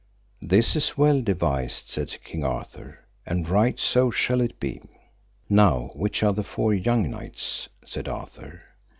This is well devised, said King Arthur, and right so shall it be. Now, which are the four young knights? said Arthur.